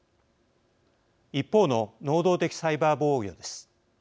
一方の能動的サイバー防御です。